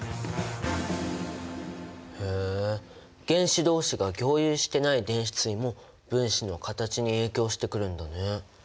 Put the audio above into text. へえ原子同士が共有してない電子対も分子の形に影響してくるんだね。